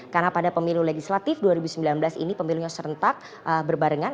karena pada pemilu legislatif dua ribu sembilan belas ini pemilunya serentak berbarengan